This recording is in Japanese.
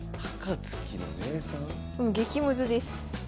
激ムズです。